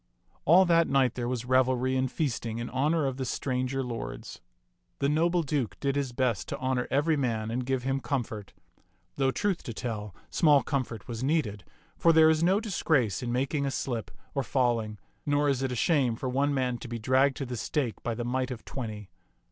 All that night there was revelry and feasting in honor of the stranger lords. The noble Duke did his best to honor every man and give him comfort; though, truth to tell, small comfort was needed, for there is no disgrace in making a slip or fall ing, nor is it a shame for one man to be dragged to the stake by the might of twenty.